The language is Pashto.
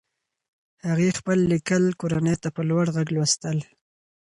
هغې خپل لیکل کورنۍ ته په لوړ غږ لوستل.